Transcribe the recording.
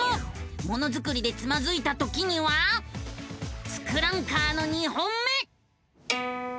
ものづくりでつまずいたときには「ツクランカー」の２本目！